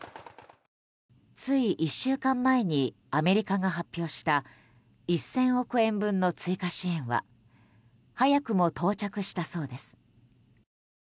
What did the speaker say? つい１週間前にアメリカが発表した１０００億円分の追加支援は早くも到着したそうです。